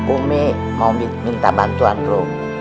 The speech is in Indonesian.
umi mau minta bantuan terus